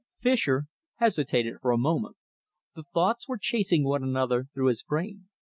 Fischer hesitated for a moment. The thoughts were chasing one another through his brain.